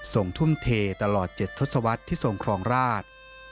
ส่งทุ่มเทตลอด๗ทศวรรษที่ทรงครองราช